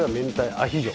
アヒージョ？